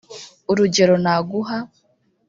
urugero naguha